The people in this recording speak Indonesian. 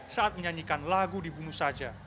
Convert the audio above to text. saat menyanyikan lagu dibunuh saja